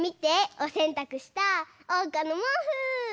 おせんたくしたおうかのもうふ！